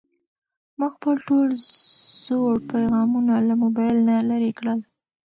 ما خپل ټول زوړ پيغامونه له موبایل نه لرې کړل.